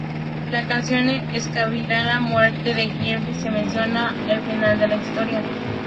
La canción escandinava ""muerte de Hildebrand"", si menciona el final de la historia.